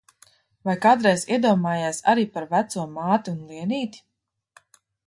Vai kādreiz iedomājies arī par veco māti un Lienīti?